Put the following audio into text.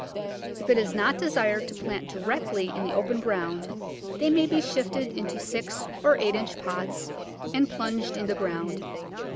If it is not desired to plant directly in the open ground they may be shifted into six or eight inch pots and plunged in the ground.